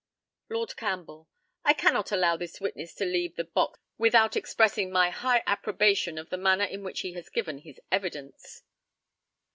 Lord CAMPBELL: I cannot allow this witness to leave the box without expressing my high approbation of the manner in which he has given his evidence.